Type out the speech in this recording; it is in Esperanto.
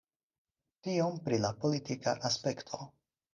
Tiom pri la politika aspekto.